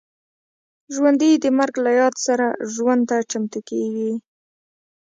ژوندي د مرګ له یاد سره ژوند ته چمتو کېږي